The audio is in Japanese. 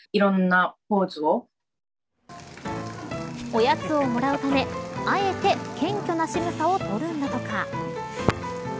おやつをもらうためあえて謙虚なしぐさをとるんだとか。